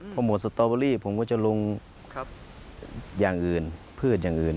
พอหมดสตอเบอรี่ผมก็จะลงอย่างอื่นพืชอย่างอื่น